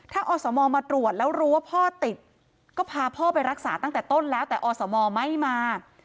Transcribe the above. ถ้าอสมมาตรวจแล้วรู้ว่าพ่อติดก็พาพ่อไปรักษาตั้งแต่ต้นแล้วแต่อสมไม่มา